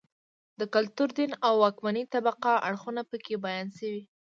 د کلتور، دین او واکمنې طبقې اړخونه په کې بیان شوي